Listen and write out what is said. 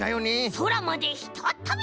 そらまでひとっとび！